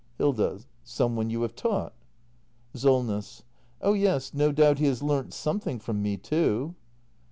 Hilda. Some one you have taught ? Solness. Oh yes, no doubt he has learnt something from m e, too.